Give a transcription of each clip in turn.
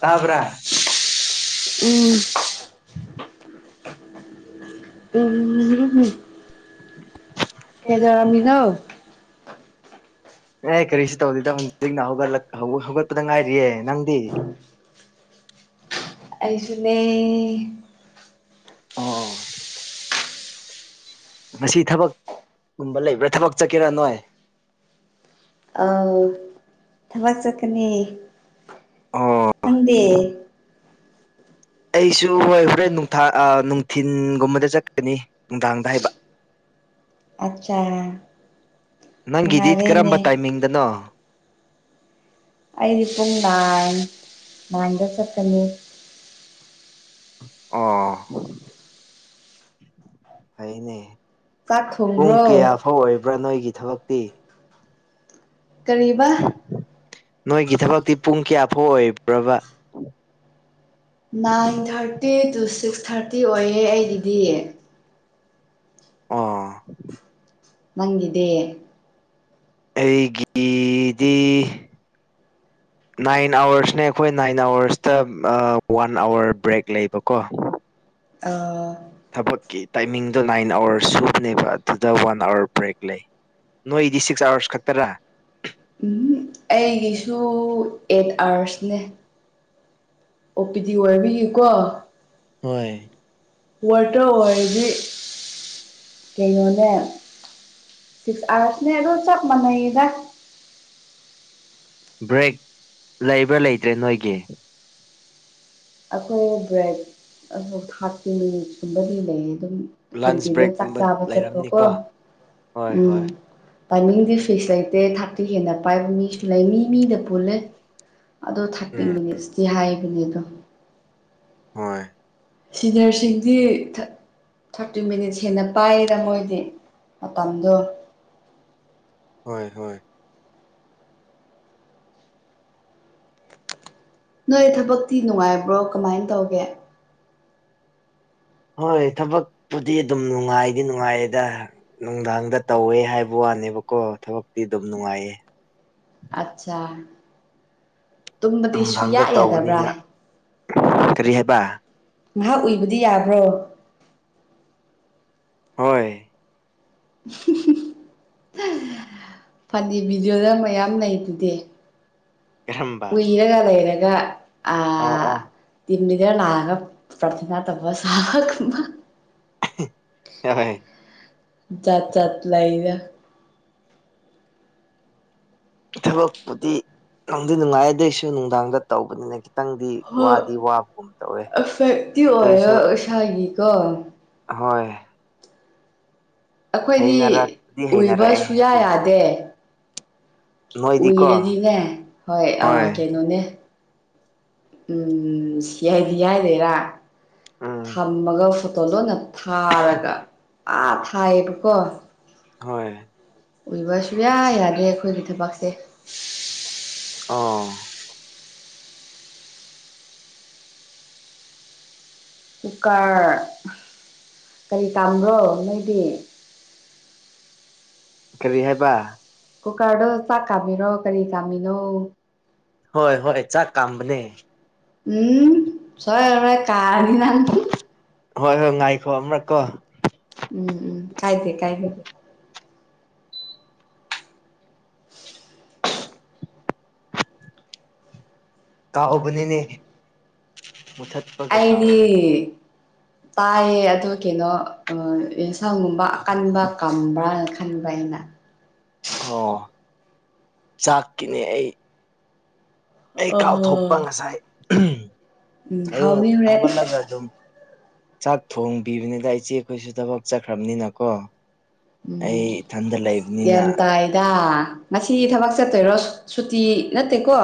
ꯁꯥꯕ꯭ꯔꯥ ꯇꯥꯕ꯭ꯔꯥ ꯎꯝ ꯎꯝ [unintelligible] ꯀꯩꯗꯧꯔꯝ ꯃꯤꯅꯣ ꯑꯦ ꯀꯔꯤꯁꯨ ꯇꯧꯗꯦꯗ ꯍꯧ ꯍꯧꯖꯤꯛꯅ ꯍꯧꯒꯠꯂꯛ ꯍꯧꯒꯠꯄꯗ ꯉꯥꯏꯔꯤꯌꯦ ꯅꯪꯗꯤ ꯑꯩꯁꯨꯅꯦ ꯑꯣ ꯃꯁꯤ ꯊꯕꯛꯀꯨꯝꯕ ꯂꯩꯕ꯭ꯔꯥ ꯊꯕꯛ ꯆꯠꯀꯦꯔꯥ ꯅꯣꯏ ꯑꯥꯎ ꯊꯕꯛ ꯆꯠꯀꯅꯤ ꯑꯣ ꯅꯪꯗꯤ ꯑꯩꯁꯨ ꯍꯣꯏ ꯍꯣꯔꯦꯟ ꯅꯨꯡꯊ ꯅꯨꯡꯊꯤꯟ ꯒꯨꯝꯕꯗ ꯆꯠꯀꯅꯤ ꯅꯨꯡꯗꯥꯡꯗ ꯍꯥꯏꯕ ꯑꯆꯥ ꯅꯪꯒꯤꯗꯤ ꯀꯔꯝꯕ ꯇꯥꯏꯃꯤꯡꯗꯅꯣ ꯑꯩꯗꯤ ꯄꯨꯡ ꯅꯥꯏꯟ ꯅꯥꯏꯟꯗ ꯆꯠꯀꯅꯤ ꯑꯣ ꯐꯩꯌꯦꯅꯦ ꯆꯥꯛ ꯄꯨꯡ ꯊꯣꯡꯕ꯭ꯔꯣ ꯀꯌꯥ ꯐꯥꯎ ꯑꯣꯏꯕ꯭ꯔꯥ ꯅꯣꯏꯒꯤ ꯊꯕꯛꯇꯤ ꯀꯔꯤꯕ ꯅꯣꯏꯒꯤ ꯊꯕꯛꯇꯤ ꯄꯨꯡ ꯀꯌꯥꯐꯥꯎ ꯑꯣꯏꯕ꯭ꯔꯕ nine thirty to six thirty ꯑꯣꯏꯌꯦ ꯑꯩꯒꯤꯗꯤ ꯑꯣ ꯅꯪꯒꯤꯗꯤ ꯑꯩꯒꯤꯗꯤ [inaudible] ꯅꯥꯏꯟ ꯑꯋꯥꯔꯁꯅꯦ ꯑꯩꯈꯣꯏ ꯅꯥꯏꯟ ꯑꯋꯥꯔꯁꯇ ꯑ ꯋꯥꯟ ꯑꯥꯋꯔ ꯕ꯭ꯔꯦꯛ ꯂꯩꯕꯀꯣ ꯑꯥ ꯊꯕꯛꯀꯤ ꯇꯥꯏꯃꯤꯡꯗꯣ ꯅꯥꯏꯟ ꯑꯋꯥꯔ ꯁꯨꯕꯅꯦꯕ ꯑꯗꯨꯗ ꯋꯥꯟ ꯑꯋꯥꯔ ꯕ꯭ꯔꯦꯛ ꯂꯩ ꯅꯣꯏꯗꯤ ꯁꯤꯛꯁ ꯑꯥꯋꯥꯔꯁ ꯈꯛꯇꯔꯥ ꯎꯨꯝ ꯍꯨꯝ ꯑꯩꯒꯤꯁꯨ ꯑꯦꯠ ꯑꯥꯋꯔꯁꯅꯦ ꯑꯣꯄꯤꯗꯤ ꯑꯣꯏꯕꯒꯤꯀꯣ ꯍꯣꯏ ꯋꯥꯔꯥꯗꯇ ꯑꯣꯏꯔꯗꯤ ꯀꯩꯅꯣꯗ ꯁꯤꯛꯁ ꯑꯋꯥꯔꯁꯅꯦ ꯑꯗꯣ ꯆꯞ ꯃꯥꯟꯅꯩꯗꯥ ꯕ꯭ꯔꯦꯛ ꯂꯩꯕ꯭ꯔꯥ ꯂꯩꯇ꯭ꯔꯦ ꯅꯣꯏꯒꯤ ꯑꯩꯈꯣꯏ ꯕ꯭ꯔꯦꯛ ꯑ ꯊꯥꯔꯇꯤ ꯃꯤꯅꯤꯠ ꯀꯨꯝꯕꯗꯤ ꯂꯩꯌꯦ ꯑꯗꯨꯝ ꯂꯟꯁ ꯀꯦꯟꯇꯤꯟꯗ ꯆꯥꯛ ꯕ꯭ꯔꯦꯛꯀꯨꯝꯕ ꯆꯥꯕ ꯆꯠꯄꯀꯣ ꯂꯩꯔꯝꯅꯤꯀꯣ ꯍꯣꯏ ꯎꯝ ꯍꯣꯏ ꯇꯥꯏꯃꯤꯡꯗꯤ ꯐꯤꯛꯁ ꯂꯩꯇꯦ ꯊꯥꯔꯇꯤ ꯍꯦꯟꯅ ꯄꯥꯏꯕ ꯃꯤꯁꯨ ꯂꯩ ꯃꯤ ꯃꯤꯗ ꯄꯨꯜꯂꯦ ꯑꯗꯣ ꯊꯥꯔꯇꯤ ꯎꯝ ꯃꯤꯅꯤꯠꯁꯇꯤ ꯍꯥꯏꯕꯅꯦ ꯑꯗꯣ ꯍꯣꯏ ꯁꯤꯅꯤꯌ꯭ꯥꯔꯁꯤꯡꯗꯤ ꯊꯥ ꯊꯥꯔꯇꯤ ꯃꯤꯅꯤꯠꯁ ꯍꯦꯟꯅ ꯄꯥꯏꯌꯦꯗ ꯃꯣꯏꯗꯤ ꯃꯇꯝꯗꯣ ꯍꯣꯏ ꯍꯣꯏ ꯅꯣꯏ ꯊꯕꯛꯇꯤ ꯅꯨꯡꯉꯥꯏꯕ꯭ꯔꯣ ꯀꯃꯥꯏ ꯇꯧꯒꯦ ꯍꯣꯏ ꯊꯕꯛꯄꯨꯗꯤ ꯑꯗꯨꯝ ꯅꯨꯡꯉꯥꯏꯗꯤ ꯅꯨꯡꯉꯥꯏꯌꯦꯗ ꯅꯨꯡꯗꯥꯡꯗ ꯇꯧꯋꯦ ꯍꯥꯏꯕ ꯋꯥꯅꯦꯕꯀꯣ ꯊꯕꯛꯇꯤ ꯑꯗꯨꯝ ꯅꯨꯡꯉꯥꯏꯌꯦ ꯑꯠꯆꯥ ꯇꯨꯝꯕꯗꯤ ꯅꯨꯡꯗꯥꯡꯗ ꯁꯨꯡꯌꯥ ꯌꯥꯗꯕ꯭ꯔꯥ ꯇꯧꯕꯅꯤꯅ ꯀꯔꯤ ꯍꯥꯏꯕ ꯉꯥꯏꯍꯥꯛ ꯎꯏꯕꯗꯤ ꯌꯥꯕ꯭ꯔꯣ ꯍꯣꯏ ꯐꯅꯤ ꯚꯤꯗꯤꯌꯣꯗ ꯃꯌꯥꯝ ꯂꯩꯗꯨꯗꯤ ꯀꯔꯝꯕ ꯎꯏꯔꯒ ꯂꯩꯔꯒ ꯑꯣ ꯑꯥ ꯑꯣ ꯇꯤꯝꯂꯤꯗꯔ ꯂꯥꯛꯑꯒ ꯄ꯭ꯔꯊꯅ ꯇꯧꯕ ꯁꯥꯕꯒꯨꯝꯕ ꯍꯤ ꯍꯣꯏ ꯖꯥꯠ ꯖꯥꯠ ꯂꯩꯗ ꯊꯕꯛꯄꯨꯗꯤ ꯅꯨꯡꯗꯤ ꯅꯨꯡꯉꯥꯏ ꯑꯗꯨꯏꯁꯨ ꯅꯨꯡꯗꯥꯡꯗ ꯇꯧꯕꯅꯤꯅ ꯈꯤꯇꯪꯗꯤ ꯍꯣꯏ ꯋꯥꯗꯤ ꯋꯥꯕꯒꯨꯝ ꯇꯧꯋꯦ ꯑꯗꯨꯏꯁꯨ ꯊꯥꯒꯤꯀꯣ ꯍꯣꯏ ꯑꯩꯈꯣꯏꯗꯤ ꯍꯩꯅꯔꯛꯄꯗꯤ ꯎꯏꯕ ꯍꯩꯅꯔꯛꯑꯦ ꯁꯨꯡꯌꯥ ꯑꯗꯨꯏꯁꯨ ꯌꯥꯗꯦ ꯅꯣꯏꯗꯤꯀꯣ ꯎꯏꯔꯗꯤꯅꯦ ꯍꯣꯏ ꯑꯥ ꯀꯩꯅꯣꯅꯦ ꯎꯝ ꯁꯤ ꯌꯥꯏꯗꯤ ꯍꯥꯏꯗꯣꯏꯔꯥ ꯎꯝ ꯊꯝꯃꯒ ꯐꯣꯇꯣ ꯂꯣꯟꯅ ꯊꯥꯔꯒ ꯑꯥ ꯊꯥꯏꯌꯦꯕꯀꯣ ꯍꯣꯏ ꯎꯏꯕ ꯁꯨꯡꯌꯥ ꯌꯥꯗꯦ ꯑꯩꯈꯣꯏꯒꯤ ꯊꯕꯛꯁꯦ ꯑꯣ ꯀꯨꯀꯔ ꯀꯔꯤ ꯀꯥꯝꯕ꯭ꯔꯣ ꯅꯣꯏꯗꯤ ꯀꯔꯤ ꯍꯥꯏꯕ ꯀꯨꯀꯔꯗꯣ ꯆꯥꯛ ꯀꯥꯝꯃꯤꯔꯣ ꯀꯔꯤ ꯀꯥꯝꯃꯤꯅꯣ ꯍꯣꯏ ꯍꯣꯏ ꯆꯥꯛ ꯀꯝꯕꯅꯦ ꯎꯝ ꯁꯣꯏꯔꯣꯏ ꯀꯥꯔꯗꯤ ꯅꯪ ꯍꯣꯏ ꯍꯣꯏ ꯉꯥꯏꯈꯣ ꯑꯃꯨꯔꯛꯀꯣ ꯎꯝ ꯎꯝ ꯀꯥꯏꯗꯦ ꯀꯥꯏꯗꯦ [unintelligible] ꯀꯥꯎꯕꯅꯤꯅꯦ ꯃꯨꯊꯠ ꯑꯩꯗꯤ ꯇꯥꯏꯌꯦ ꯑꯗꯨ ꯀꯤꯅꯣ ꯊꯝꯕ ꯀꯟꯕ ꯀꯥꯟꯗ ꯈꯟꯕ ꯑꯩꯅ ꯑꯣ ꯆꯥꯛꯄꯤꯔ‌ꯦ ꯑꯩ ꯑꯩ ꯑꯍꯣ ꯀꯥꯎꯊꯣꯛꯄ ꯉꯁꯥꯏ ꯎꯝ ꯑꯌꯨꯛ ꯍꯥꯎꯅꯤ ꯍꯣꯔꯦꯟ ꯍꯧꯒꯠꯂꯒ ꯗꯨꯝ ꯆꯥꯛ ꯊꯣꯡꯕꯤꯕꯅꯤꯗ ꯏꯆꯦ ꯈꯣꯏꯁꯨ ꯊꯕꯛ ꯆꯠꯈ꯭ꯔꯝꯅꯤꯅ ꯀꯣ ꯎꯝ ꯒ꯭ꯌꯥꯟ ꯇꯥꯏꯗ ꯉꯁꯤ ꯊꯕꯛ ꯆꯠꯇꯣꯏꯔꯣ ꯁꯨꯇꯤ ꯅꯠꯇꯦꯀꯣ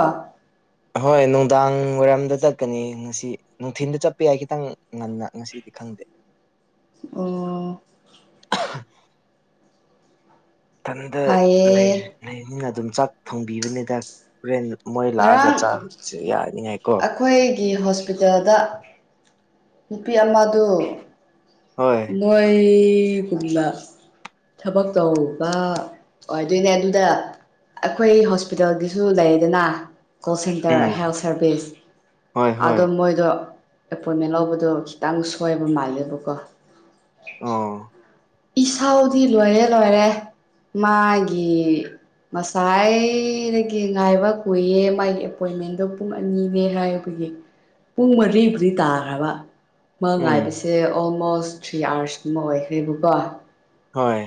ꯍꯣꯏ ꯅꯨꯡꯗꯥꯡ ꯋꯥꯏꯔꯝꯗ ꯆꯠꯀꯅꯤ ꯉꯁꯤ ꯅꯨꯡꯊꯤꯟꯗ ꯆꯠꯄ ꯌꯥꯏ ꯈꯤꯇꯪ ꯉꯟꯅ ꯁꯤꯗꯤ ꯈꯪꯗꯦ ꯑꯣ ꯊꯟꯗ ꯐꯩꯌꯦ ꯂꯩ ꯂꯩꯅꯤꯅ ꯑꯗꯨꯝ ꯆꯥꯛ ꯊꯣꯡꯕꯤꯕꯅꯤꯗ ꯍꯣꯔꯦꯟ ꯃꯣꯏ ꯂꯥꯛꯑꯒ ꯆꯥꯛ ꯁꯦ ꯌꯥꯅꯤꯉꯥꯏ ꯀꯣ ꯈꯣꯏꯒꯤ ꯍꯣꯁꯄꯤꯇꯥꯜ ꯗ ꯅꯨꯄꯤ ꯑꯃꯥꯗꯨ ꯍꯣꯏ ꯅꯣꯏ ꯒꯨꯝꯅ ꯊꯕꯛ ꯇꯧꯕ ꯑꯣꯏꯗꯣꯏꯅꯦ ꯑꯗꯨꯗ ꯑꯈꯣꯏ ꯍꯣꯁꯄꯤꯇꯥꯜ ꯒꯤꯁꯨ ꯂꯩꯗꯅ ꯀꯣꯜ ꯁꯦꯟꯇꯔ ꯎꯝ ꯍꯦꯜ ꯁꯥꯔꯚꯤꯁ ꯍꯣꯏ ꯑꯗꯣ ꯍꯣꯏ ꯃꯣꯏꯗꯣ ꯑꯦꯄꯣꯏꯃꯦꯟ ꯂꯧꯕꯗꯣ ꯈꯤꯇꯪ ꯁꯣꯏꯕ ꯃꯥꯜꯂꯦꯕꯀꯣ ꯑꯣ ꯏꯁꯧꯗꯤ ꯂꯣꯏꯔꯦ ꯂꯣꯏꯔꯦ ꯃꯥꯒꯤ ꯉꯁꯥꯏꯗꯒꯤ ꯉꯥꯏꯕ ꯀꯨꯏꯌꯦ ꯃꯥꯒꯤ ꯑꯦꯄꯣꯏꯃꯦꯟꯗꯣ ꯄꯨꯡ ꯑꯅꯤꯅꯦ ꯍꯥꯏꯌꯨ [unintelligible] ꯄꯨꯡ ꯃꯔꯤꯕꯨꯗꯤ ꯇꯥꯈ꯭ꯔꯕ ꯃꯥ ꯎꯝ ꯉꯥꯏꯕꯁꯦ ꯑꯣꯜꯃꯣꯁ ꯊ꯭ꯔꯤ ꯑꯋꯥꯔꯁ ꯀꯨꯝꯕ ꯑꯣꯏꯈ꯭ꯔꯦ ꯕꯀꯣ ꯍꯣꯏ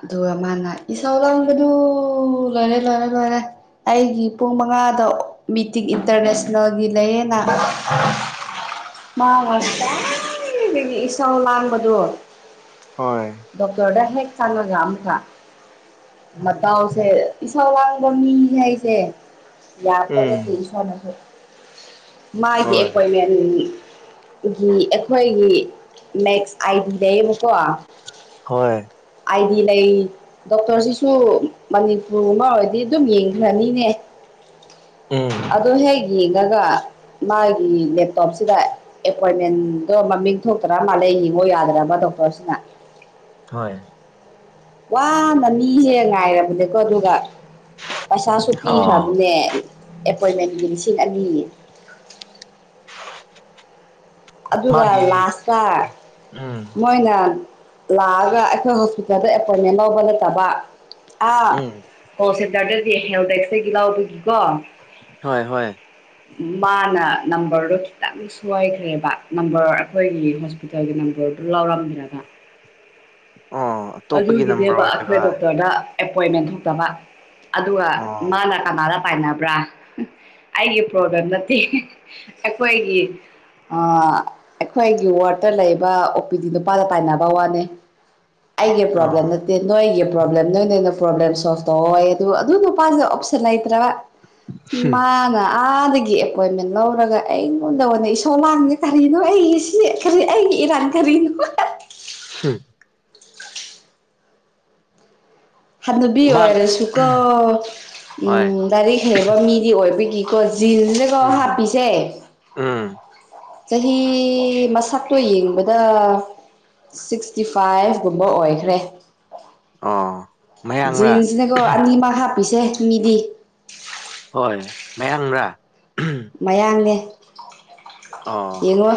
ꯑꯗꯨꯒ ꯃꯥꯅ ꯏꯁꯧ ꯂꯥꯡꯕꯗꯨ ꯂꯣꯏꯔꯦ ꯂꯣꯏꯔꯦ ꯂꯣꯏꯔꯦ ꯑꯩꯒꯤ ꯄꯨꯡ ꯃꯉꯥꯗꯣ ꯃꯤꯇꯤꯡ ꯏꯟꯇꯔꯅꯦꯁꯅꯦꯜꯒꯤ ꯂꯩꯌꯦꯅ ꯃꯥ ꯉꯁꯥꯏꯗꯒꯤ ꯏꯁꯧ ꯂꯥꯡꯕꯗꯣ ꯍꯣꯏ ꯗꯣꯛꯇꯔꯗ ꯍꯦꯛ ꯆꯪꯉꯒ ꯑꯃꯨꯛꯀ ꯃꯇꯥꯎꯁꯦ ꯏꯁꯧ ꯂꯥꯡꯕ ꯃꯤ ꯍꯥꯏꯁꯦ ꯌꯥꯄꯣꯠ ꯅꯠꯇꯦ ꯎꯝ ꯏꯁꯣꯔꯅꯁꯨ ꯃꯥꯒꯤ ꯍꯣꯏ ꯑꯦꯄꯣꯏꯃꯦꯟ ꯒꯤ ꯑꯩꯈꯣꯏꯒꯤ ꯃꯦꯛꯁ ꯑꯥꯏ ꯗꯤ ꯂꯩꯌꯦꯕꯀꯣ ꯍꯣꯏ ꯑꯥꯏꯗꯤ ꯂꯩ ꯗꯣꯛꯇꯔꯁꯤꯁꯨ ꯃꯅꯤꯄꯨꯔ ꯑꯃ ꯑꯣꯏꯔꯗꯤ ꯑꯗꯨꯝ ꯌꯦꯡꯈ꯭ꯔꯅꯤꯅꯦ ꯎꯝ ꯑꯗꯣ ꯍꯦꯛ ꯌꯦꯡꯉꯒ ꯃꯥꯒꯤ ꯂꯦꯞꯇꯣꯞꯁꯤꯗ ꯑꯦꯄꯣꯏꯟꯃꯦꯟꯗꯣ ꯃꯃꯤꯡ ꯊꯣꯛꯇ꯭ꯔ ꯃꯥꯜꯂꯦ ꯌꯦꯡꯉꯣ ꯌꯥꯗ꯭ꯔꯕ ꯗꯣꯛꯇꯔꯁꯤꯅ ꯍꯣꯏ ꯋꯥꯅ ꯃꯤꯁꯦ ꯉꯥꯏꯔꯕꯅꯦꯀꯣ ꯑꯗꯨꯒ ꯄꯩꯁꯥꯁꯨ ꯑꯣ ꯄꯤꯈ꯭ꯔꯕꯅꯦ ꯑꯦꯄꯣꯏꯟꯃꯦꯟꯒꯤ ꯂꯤꯁꯤꯡ ꯑꯅꯤ ꯑꯗꯨꯒ ꯃꯥꯒꯤ ꯂꯥꯁꯇ ꯎꯝ ꯃꯣꯏꯅ ꯂꯥꯛꯑꯒ ꯑꯩꯈꯣꯏ ꯍꯣꯁꯄꯤꯇꯥꯜꯗ ꯑꯦꯄꯣꯏꯟꯃꯦꯟ ꯂꯧꯕ ꯅꯠꯇꯕ ꯑꯥ ꯎꯝ ꯀꯣꯜ ꯁꯦꯜꯇꯔꯗꯒꯤ ꯍꯦꯜ ꯗꯦꯛꯁꯇꯒꯤ ꯂꯥꯎꯕꯒꯤꯀꯣ ꯍꯣꯏ ꯍꯣꯏ ꯃꯥꯅ ꯅꯝꯕꯔꯗꯣ ꯈꯤꯇꯪ ꯁꯣꯏꯈ꯭ꯔꯦꯕ ꯅꯝꯕꯔ ꯑꯩꯈꯣꯏꯒꯤ ꯍꯣꯁꯄꯤꯇꯥꯜꯒꯤ ꯅꯝꯕꯔꯗꯨ ꯂꯧꯔꯝꯗ꯭ꯔꯒ ꯑꯣ ꯑꯇꯣꯞꯄꯒꯤ ꯅꯝꯕꯔ ꯑꯗꯨꯒꯤꯅꯦꯕ ꯑꯣꯏꯕ ꯑꯩꯈꯣꯏ ꯗꯣꯛꯇꯔꯗ ꯑꯦꯄꯣꯏꯟꯃꯦꯟ ꯊꯣꯛꯇꯕ ꯑꯗꯨꯒ ꯑꯣ ꯃꯥꯅ ꯀꯅꯥꯗ ꯇꯥꯏꯅꯕ꯭ꯔꯥ ꯑꯩꯒꯤ ꯄ꯭ꯔꯣꯕ꯭ꯂꯦꯝ ꯅꯠꯇꯦ ꯑꯩꯈꯣꯏꯒꯤ ꯑ ꯑꯩꯈꯣꯏꯒꯤ ꯋꯥꯔꯠꯇ ꯂꯩꯕ ꯑꯣ ꯄꯤ ꯗꯤ ꯅꯨꯄꯥꯗ ꯇꯥꯏꯅꯕ ꯋꯥꯅꯦ ꯑꯩꯒꯤ ꯑꯣ ꯄ꯭ꯔꯣꯕ꯭ꯂꯦꯝ ꯅꯠ ꯇꯦ ꯅꯣꯏꯒꯤ ꯄ꯭ꯔꯣꯕ꯭ꯂꯦꯝ ꯅꯣꯏ ꯅ ꯑꯣꯏꯅ ꯄ꯭ꯔꯣꯕ꯭ꯂꯦꯝ ꯁ꯭ꯂꯣꯚ ꯇꯧꯑꯣꯌꯦ ꯑꯗꯨ ꯅꯨꯄꯥꯥꯁꯤꯅ ꯑꯣꯞꯁꯟ ꯂꯩꯇ꯭ꯔꯕ ꯍꯝ ꯃꯥꯅ ꯑꯥꯗꯒꯤ ꯑꯦꯄꯣꯏꯟꯃꯦꯟ ꯂꯧꯔꯒ ꯑꯩꯉꯣꯟꯗ ꯑꯣꯏꯅ ꯏꯁꯧ ꯂꯥꯡꯉꯦ ꯀꯔꯤꯅꯣ ꯑꯩꯒꯤ ꯁꯤ ꯁꯤ ꯀꯔꯤ ꯑꯩꯒꯤ ꯏꯔꯥꯟ ꯀꯔꯤꯅꯣ [unintelligible] ꯍꯥꯅꯨꯕꯤ ꯃꯥ ꯑꯣꯏꯔꯁꯨꯀꯣ ꯎꯝ ꯍꯣꯏ ꯂꯥꯏꯔꯤꯛ ꯍꯩꯕ ꯃꯤꯗꯤ ꯑꯣꯏꯕꯒꯤ ꯀꫭ ꯖꯤꯟꯁꯅꯤ ꯀꯣ ꯎꯝ ꯍꯥꯄꯄꯤꯁꯦ ꯎꯝ ꯆꯍꯤ ꯃꯁꯛꯇꯣ ꯌꯦꯡꯕꯗ ꯁꯤꯛꯁꯇꯤ ꯐꯥꯏꯚ ꯀꯨꯝꯕ ꯑꯣꯏꯈ꯭ꯔꯦ ꯑꯣ ꯃꯌꯥꯡꯔꯥ ꯖꯤꯟꯁꯅꯦꯀꯣ ꯑꯅꯤꯃꯛ ꯍꯥꯞꯄꯤꯁꯦ ꯃꯤꯗꯤ ꯍꯣꯏ ꯃꯌꯥꯡꯔꯥ ꯃꯌꯥꯡꯅꯦ ꯑꯣ ꯌꯦꯡꯉꯣ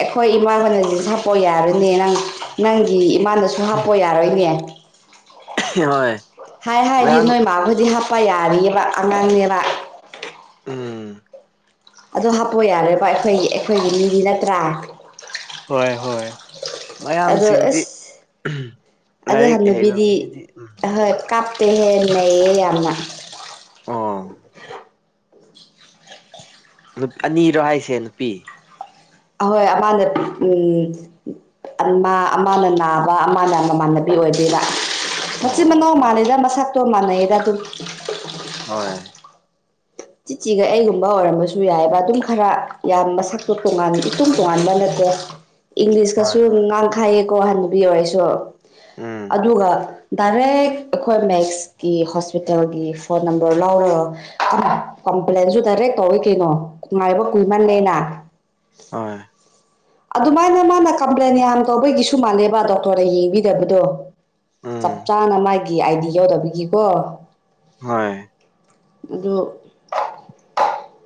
ꯑꯩꯈꯣꯏ ꯏꯃꯥꯅ ꯖꯤꯟꯁ ꯍꯥꯞꯄꯣ ꯌꯥꯔꯣꯏꯅꯦ ꯅꯪ ꯅꯪꯒꯤ ꯏꯃꯥꯅꯁꯨ ꯍꯥꯞꯄꯣ ꯌꯥꯔꯣꯏꯅꯦ ꯍꯣꯏ ꯍꯥꯏ ꯍꯥꯏꯗꯤ ꯃꯌꯥꯡ ꯅꯣꯏ ꯃꯥꯈꯣꯏꯗꯤ ꯍꯥꯞꯄ ꯌꯥꯔꯤꯑꯕ ꯑꯉꯥꯡꯅꯦꯕ ꯎꯝ ꯑꯗꯣ ꯍꯥꯞꯄꯣ ꯌꯥꯔꯦꯕ ꯑꯩꯈꯣꯏꯒꯤ ꯑꯩꯈꯣꯏꯒꯤ ꯃꯤꯗꯤ ꯅꯠꯇ꯭ꯔꯥ ꯍꯣꯏ ꯍꯣꯏ ꯑꯗꯣ ꯃꯌꯥꯡꯁꯤꯡꯗꯤ ꯑꯁ ꯑꯗꯨ ꯂꯥꯏꯔꯤꯛ ꯍꯩꯕ ꯍꯟꯅꯨꯕꯤꯗꯤ ꯃꯤꯗꯤ ꯎꯝ ꯑꯍꯣꯏ ꯀꯥꯞꯇꯦꯍꯦ ꯅꯩꯌꯦ ꯌꯥꯝꯅ ꯑꫭ ꯅꯨꯞ ꯑꯅꯤꯔꯣ ꯍꯥꯏꯁꯦ ꯅꯨꯄꯤ ꯑꯍꯣꯏ ꯑꯃꯅ ꯎꯝ ꯑꯃꯅ ꯅꯥꯕ ꯑꯃꯅ ꯃꯃꯥꯟꯅꯕꯤ ꯑꯣꯏꯗꯣꯏꯕ ꯑꯣ ꯃꯆꯤꯟ ꯑꯣ ꯃꯅꯥꯎ ꯑꯣ ꯃꯥꯜꯂꯦꯗ ꯃꯁꯛꯇꯣ ꯃꯥꯟꯅꯩꯗ ꯑꯗꯨꯝ ꯍꯣꯏ ꯆꯤꯠꯆꯦꯒ ꯑꯩꯒꯨꯝꯕ ꯑꯣꯏꯔꯝꯕꯁꯨ ꯌꯥꯏꯌꯦꯕ ꯑꯗꯨꯝ ꯈꯔ ꯌꯥꯝ ꯃꯁꯛꯇꯣ ꯇꯣꯉꯥꯟ ꯏꯇꯨꯝ ꯇꯣꯉꯥꯟꯕ ꯅꯠꯇꯦ ꯍꯣꯏ ꯏꯪꯂꯤꯁꯀꯁꯨ ꯍꯣꯏ ꯉꯥꯡꯊꯌꯦ ꯀꯣ ꯍꯥꯅꯨꯕꯤ ꯑꯣꯏꯔꯁꯨ ꯎꯝ ꯑꯗꯨꯒ ꯗꯥꯏꯔꯦꯛ ꯑꯈꯣꯏ ꯃꯦꯛꯁꯀꯤ ꯍꯣꯁꯄꯤꯇꯥꯜꯒꯤ ꯐꯣꯟ ꯅꯝꯕꯔ ꯂꯧꯔꯣ ꯀꯝꯄ꯭ꯂꯦꯟꯁꯨ ꯗꯥꯏꯔꯦꯛ ꯇꯧꯋꯤ ꯀꯩꯅꯣ ꯉꯥꯏꯕ ꯀꯨꯏꯃꯜꯂꯦꯅ ꯍꯣꯏ ꯑꯗꯨꯃꯥꯏꯅ ꯃꯥꯅ ꯀꯝꯄ꯭ꯂꯦꯟ ꯌꯥꯝ ꯇꯧꯕꯒꯤꯁꯨ ꯃꯥꯜꯂꯦꯕ ꯗꯣꯛꯇꯔꯅ ꯌꯦꯡꯕꯤꯗꯕꯗꯣ ꯆꯞ ꯎꯝ ꯆꯥꯅ ꯃꯥꯒꯤ ꯑꯥꯏꯗꯤ ꯌꯧꯗꯕꯤꯒꯤꯀꯣ ꯍꯣꯏ ꯑꯗꯣ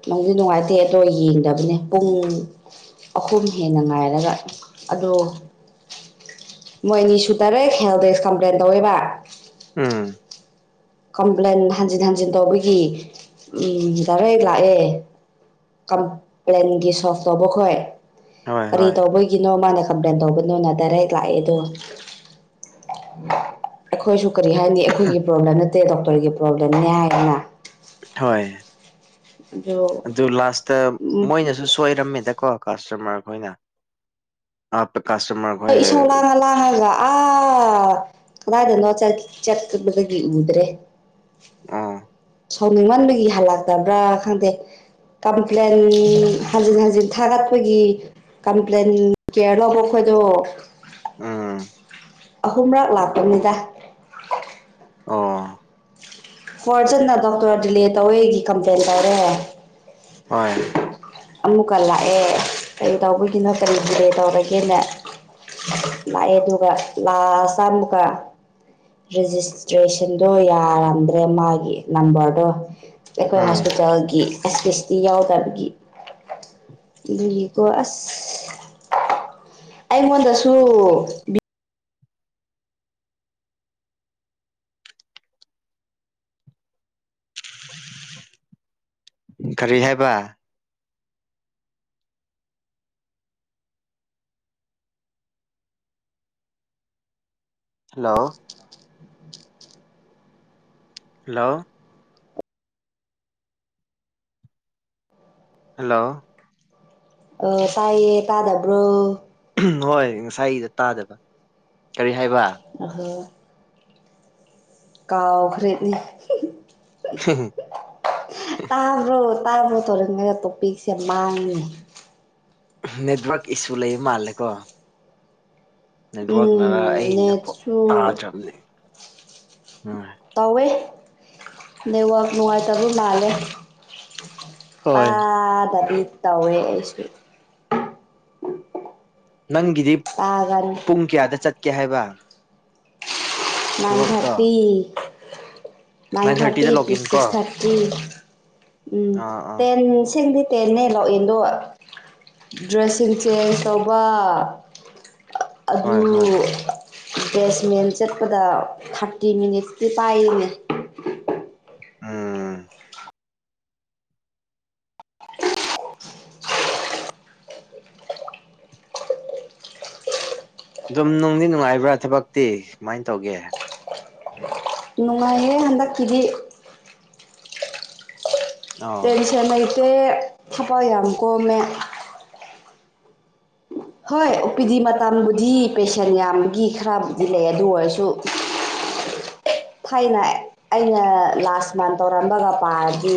ꯅꯨꯗꯤ ꯅꯨꯡꯉꯥꯏꯇꯦ ꯑꯗꯣ ꯌꯦꯡꯗꯕꯅꯦ ꯄꯨꯡ ꯑꯍꯨꯝ ꯍꯦꯟꯅ ꯉꯥꯏꯔꯒ ꯑꯗꯣ ꯃꯣꯏꯅꯤꯁꯨ ꯗꯥꯏꯔꯦꯛ ꯍꯦꯜꯗꯦꯛꯁ ꯀꯝꯄ꯭ꯂꯦꯟ ꯇꯧꯋꯦꯕ ꯎꯝ ꯀꯝꯄ꯭ꯂꯦꯟ ꯍꯟꯖꯤꯟ ꯍꯟꯖꯤꯟ ꯇꯧꯕꯒꯤ ꯎꯝ ꯗꯥꯏꯔꯦꯛ ꯂꯥꯛꯑꯦ ꯀꯝꯄ꯭ꯂꯦꯟꯒꯤ ꯁꯣꯐ ꯇꯧꯕ ꯈꯣꯏ ꯍꯣꯏ ꯀꯔꯤ ꯍꯣꯏ ꯇꯧꯕꯩ ꯒꯤꯅꯣ ꯃꯥꯅ ꯀꯝꯄ꯭ꯂꯦꯟ ꯇꯧꯕꯅꯣꯅ ꯗꯥꯏꯔꯦꯛ ꯂꯥꯛꯑꯦ ꯑꯗꯣ ꯑꯩꯈꯣꯏꯁꯨ ꯀꯔꯤ ꯍꯥꯏꯅꯤ ꯑꯩꯈꯣꯏꯒꯤ ꯄ꯭ꯔꯣꯕ꯭ꯂꯦꯝ ꯅꯠꯇꯦ ꯗꯣꯛꯇꯔꯒꯤ ꯄ꯭ꯔꯣꯕ꯭ꯂꯦꯝꯅꯦ ꯍꯥꯏꯗꯅ ꯍꯣꯏ ꯑꯗꯨ ꯂꯥꯁꯇ ꯎꯝ ꯃꯣꯏꯅꯁꯨ ꯁꯣꯏꯔꯝꯃꯦꯗ ꯀꯣ ꯀ꯭ꯔꯁꯇꯝꯃꯔ ꯈꯣꯏꯅ [unintelligible] ꯑꯩꯏꯁꯨ ꯋꯥꯅ ꯂꯥꯡꯉ ꯂꯥꯡꯉ ꯂꯥ ꯑꯥ ꯀꯥꯗꯥꯏꯗꯅꯣ ꯆꯠ ꯆꯠꯄꯗꯒꯤ ꯎꯗ꯭ꯔꯦ ꯑꯥ ꯁꯥꯎꯅꯤꯡꯃꯟꯕꯒꯤ ꯍꯜꯂꯛꯇꯕ꯭ꯔꯥ ꯈꯪꯗꯦ ꯀꯝꯄ꯭ꯂꯦꯟ ꯍꯟꯖꯤꯟ ꯍꯟꯖꯤꯟ ꯊꯥꯔꯛꯄꯒꯤ ꯀꯝꯄ꯭ꯂꯦꯟ [unintelligible] ꯑꯗꯣ ꯎꯝ ꯑꯍꯨꯝꯔꯛ ꯂꯥꯛꯄꯅꯤꯗ ꯑꯣ ꯐꯥꯔꯁꯇꯅ ꯗꯣꯛꯇꯔ ꯗꯤꯜꯂꯦ ꯇꯧꯋꯦꯒꯤ ꯀꯝꯄ꯭ꯂꯦꯟ ꯇꯧꯔꯦ ꯍꯣꯏ ꯑꯃꯨꯛꯀ ꯂꯥꯛꯑꯦ ꯀꯔꯤ ꯇꯧꯕꯒꯤꯅꯣ ꯀꯔꯤ ꯗꯤꯂꯦ ꯇꯧꯔꯒꯦꯅ ꯂꯥꯛꯑꯦ ꯑꯗꯨꯒ ꯂꯥꯁꯇ ꯑꯃꯨꯛꯀ ꯔꯦꯖꯤꯁꯇ꯭ꯔꯦꯁꯟꯗꯣ ꯌꯥꯔꯝꯗ꯭ꯔꯦ ꯃꯥꯒꯤ ꯅꯝꯕꯔꯗꯣ ꯑꯩꯈꯣꯏ ꯎꯝ ꯍꯣꯁꯄꯤꯇꯥꯜꯒꯤ ꯑꯦꯁꯄꯤꯁꯇꯤ ꯌꯥꯎꯗꯕꯒꯤ ꯑꯗꯨꯒꯤ ꯀꯣ ꯑꯁ ꯑꯩꯉꯣꯟꯗꯁꯨ ꯀꯔꯤ ꯍꯥꯏꯕ ꯍꯜꯂꯣ ꯍꯜꯂꯣ ꯍꯜꯂꯣ ꯑꯣ ꯇꯥꯏꯌꯦ ꯇꯥꯗꯕ꯭ꯔꯣ ꯍꯣꯏ ꯉꯁꯥꯏꯒꯤꯗꯣ ꯇꯥꯗꯕ ꯀꯔꯤ ꯍꯥꯏꯕ [unintelligible] ꯀꯥꯎꯈ꯭ꯔꯦꯅꯦ [unintelligible] [unintelligible] ꯇꯥꯕ꯭ꯔꯣ ꯇꯥꯕ꯭ꯔꯣ ꯇꯧꯔꯤꯉꯩꯗ ꯇꯣꯛꯄꯤꯁꯦ ꯃꯥꯡꯉꯦ ꯅꯦꯠꯋꯔꯛ ꯏꯁꯨ ꯂꯩꯕ ꯃꯥꯜꯂꯦꯀꯣ ꯅꯦꯠꯋꯔꯛꯅꯔ ꯎꯝ ꯑꯩꯅ ꯗꯣ ꯅꯦꯠꯁꯨ ꯇꯥꯗ꯭ꯔꯕꯅꯦ ꯎꯝ ꯇꯧꯋꯦ ꯅꯦꯠꯋꯔꯛ ꯅꯨꯡꯉꯥꯏꯇꯕ ꯃꯥꯜꯂꯦ ꯍꯣꯏ ꯄꯥꯗꯕꯤ ꯇꯧꯋꯦ ꯑꯩꯁꯨ ꯅꯪꯒꯤꯗꯤ ꯇꯥꯒꯅꯤ ꯄꯨꯡ ꯀꯌꯥꯗ ꯆꯠꯀꯦ ꯍꯥꯏꯕ ꯊꯕꯛꯇꯣ ꯅꯥꯏꯟꯊꯥꯔꯇꯤ ꯅꯥꯏꯟ ꯊꯥꯔꯇꯤ ꯊꯥꯔꯇꯤꯗ ꯇꯨ ꯂꯣꯒꯏꯟ ꯀꯣ ꯁꯤꯛꯁ ꯊꯥꯔꯇꯤ ꯎꯝ ꯑꯥ ꯑꯥ ꯇꯦꯟ ꯁꯦꯡꯗꯤ ꯇꯦꯟꯅꯦ ꯂꯣꯛꯏꯟꯗꯣ ꯗ꯭ꯔꯦꯁꯤꯡ ꯆꯦꯟꯖ ꯇꯧꯕ ꯑꯗꯨ ꯍꯣꯏ ꯍꯣꯏ ꯕꯦꯁꯃꯦꯟ ꯆꯠꯄꯗ ꯊꯥꯔꯇꯤ ꯃꯤꯅꯤꯠꯁꯇꯤ ꯄꯥꯏꯌꯦꯅꯦ ꯎꯝ ꯗꯨꯝ ꯅꯨꯡꯗꯤ ꯅꯨꯡꯉꯥꯏꯕ꯭ꯔꯥ ꯊꯕꯛꯇꯤ ꯀꯃꯥꯏꯟ ꯇꯧꯒꯦ ꯅꯨꯡꯉꯥꯏꯌꯦ ꯍꯟꯗꯛꯀꯤꯗꯤ ꯑꯣ ꯇꯦꯟꯁꯟ ꯂꯩꯇꯦ ꯊꯕꯛ ꯌꯥꯝ ꯀꯣꯝꯃꯦ ꯍꯣꯏ ꯑꯣ ꯄꯤ ꯗꯤ ꯃꯇꯝꯕꯨꯗꯤ ꯄꯦꯁꯦꯟ ꯌꯥꯝꯕꯒꯤ ꯈꯔꯕꯨꯗꯤ ꯂꯩꯌꯦ ꯑꯗꯨ ꯑꯣꯏꯔꯁꯨ ꯊꯥꯏꯅ ꯑꯩꯅ ꯂꯥꯁ ꯃꯟ ꯇꯧꯔꯝꯕꯒ ꯄꯥꯔꯗꯤ